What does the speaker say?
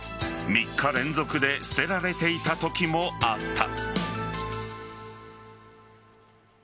３日連続で捨てられていたときもあった。